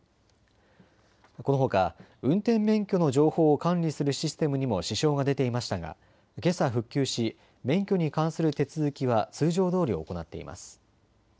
このほか運転免許の情報を管理するシステムにも支障が出ていましたがけさ復旧し免許に関する手続きは通常どおり行っています。